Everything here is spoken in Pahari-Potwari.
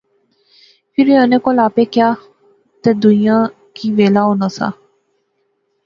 فیر وی انیں کول آپے کیا تہ دویاں کی ویلا ہونا سا